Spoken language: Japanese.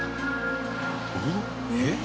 「えっ？」